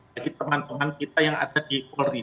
bagi teman teman kita yang ada di polri